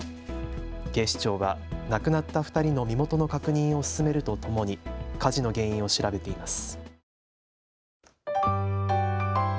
警視庁は亡くなった２人の身元の確認を進めるとともに火事の原因を調べています。